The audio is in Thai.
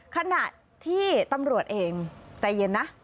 ขณะที่ตำรวจเองใจเย็นนะ